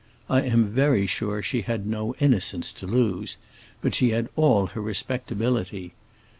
I am very sure she had no innocence to lose, but she had all her respectability.